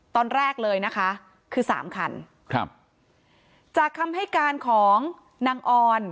ตอนแรกเลยนะคะคือสามคันครับจากคำให้การของนางออน